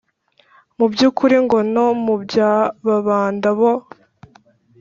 mu by'ukuri ngo no mu bya ababanda bo